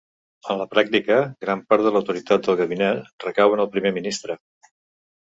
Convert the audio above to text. En la pràctica, gran part de l'autoritat del Gabinet recau en el Primer Ministre.